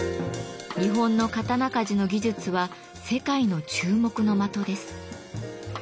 日本の刀鍛冶の技術は世界の注目の的です。